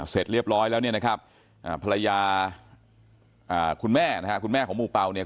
เสร็จเรียบร้อยแล้วเนี่ยนะครับภรรยาคุณแม่นะฮะคุณแม่ของหมู่เป่าเนี่ย